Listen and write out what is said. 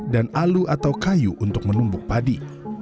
dan alu atau kayu untuk menumbuk padi